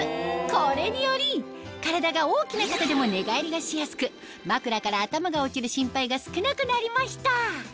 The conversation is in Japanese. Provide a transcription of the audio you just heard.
これにより体が大きな方でも寝返りがしやすく枕から頭が落ちる心配が少なくなりました